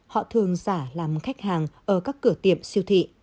họ thường giả làm khách hàng ở các cửa tiệm siêu thị